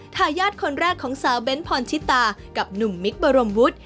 ทายาทคนแรกของสาวเบ้นพรชิตากับหนุ่มมิคบรมวุฒิ